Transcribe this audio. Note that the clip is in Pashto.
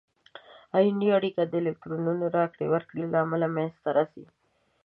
آیوني اړیکه د الکترونونو راکړې ورکړې له امله منځ ته راځي.